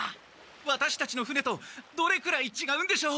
ワタシたちの船とどれくらいちがうんでしょう？